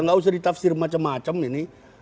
nggak usah ditafsir macam macam ini